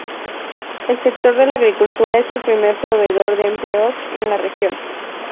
El sector de la agricultura es el primer proveedor de empleos en la región.